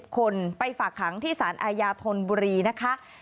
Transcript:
คนไปฝากขังที่สารอาญาธนบุรีนะคะ